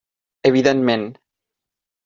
Evidentment.